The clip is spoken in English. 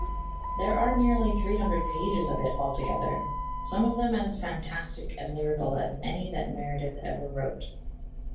There are nearly three hundred pages of it altogether, some of them as fantastic and lyrical as any that Meredith ever wrote.